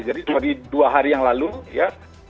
jadi dari dua hari yang lalu ya